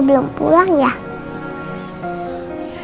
ya belum pulang mungkin masih ada urusan di rumah